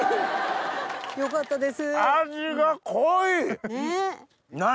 よかったです。ねぇ。